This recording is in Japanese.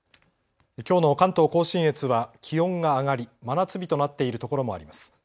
きょうの関東甲信越は気温が上がり真夏日となっているところもあります。